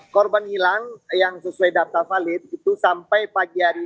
korban hilang yang sesuai data valid itu sampai pagi hari